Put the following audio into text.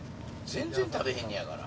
全然食べへんねやから。